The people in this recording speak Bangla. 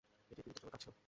এটা একদম বিপজ্জনক কাজ ছিল।